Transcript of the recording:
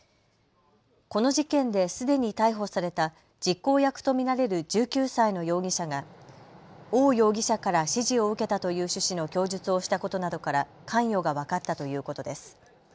この事件ですでに逮捕された実行役と見られる１９歳の容疑者が翁容疑者から指示を受けたという趣旨の供述をしたことなどから関与が分かったということです。